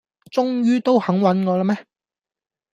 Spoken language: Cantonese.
終於都肯搵我喇咩